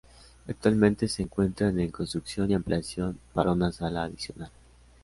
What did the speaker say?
Actualmente se encuentran en construcción y ampliación para una sala adicional.